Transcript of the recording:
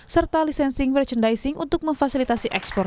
serta lisensing merchandising untuk memfasilitasi ekspor